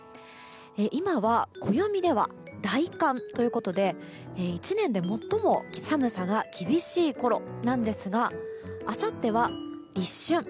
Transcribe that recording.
今は、暦では大寒ということで１年で最も寒さが厳しいころなんですがあさっては立春。